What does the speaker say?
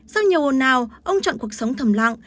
sau nhiều hồn nào ông chọn cuộc sống thầm lặng